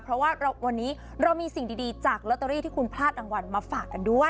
เพราะว่าวันนี้เรามีสิ่งดีจากลอตเตอรี่ที่คุณพลาดรางวัลมาฝากกันด้วย